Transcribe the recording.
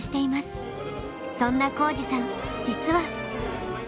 そんな皓史さん実は。